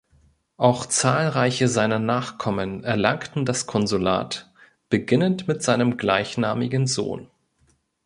Auch zahlreiche seiner Nachkommen erlangten das Konsulat, beginnend mit seinem gleichnamigen Sohn.